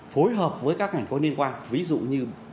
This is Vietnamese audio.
phối hợp với các ngành có liên quan ví dụ như